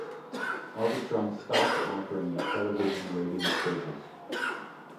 Arbitron stopped offering a television ratings service.